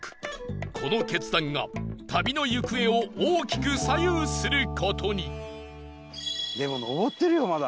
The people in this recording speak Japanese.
この決断が旅の行方を大きく左右する事にでも上ってるよまだ。